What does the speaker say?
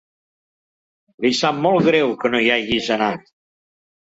Li sap molt greu que no hi hagis anat.